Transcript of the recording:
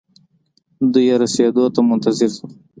دوئ يې رسېدو ته منتظر شول.